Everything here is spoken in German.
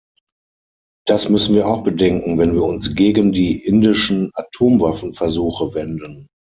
Das müssen wir auch bedenken, wenn wir uns gegen die indischen Atomwaffenversuche wenden.